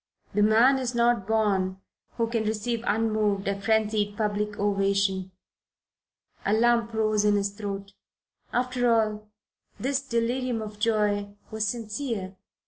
The man is not born who can receive unmoved a frenzied public ovation. A lump rose in his throat. After all, this delirium of joy was sincere.